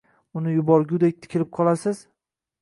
Uni yuborgudek tikilib qolasiz.